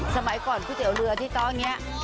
สมัยก่อนพี่เตี๋ยวเลยอาทิตย์ต้องี้